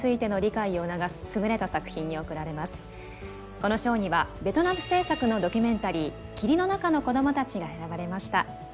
この賞にはベトナム制作のドキュメンタリー「霧の中の子どもたち」が選ばれました。